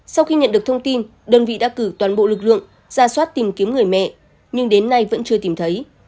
sau khi nhận được thông tin đơn vị đã cử toàn bộ lực lượng ra soát tìm kiếm người mẹ nhưng đến nay vẫn chưa tìm thấy